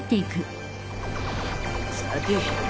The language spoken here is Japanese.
さて。